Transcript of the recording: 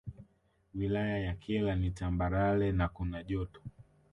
Wilaya ya Kyela ni Tambarale na kuna Joto